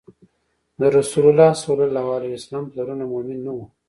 د رسول الله ﷺ پلرونه مؤمن نه وو